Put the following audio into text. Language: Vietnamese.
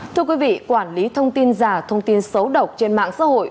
thưa quý vị quản lý thông tin giả thông tin xấu độc trên mạng xã hội